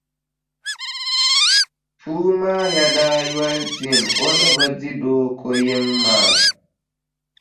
Puumaaya daa yoli tɛm o ni bi di Dooko yiŋa maa.